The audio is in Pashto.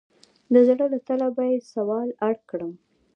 د زړه له تله به یې سوال اړ کړم.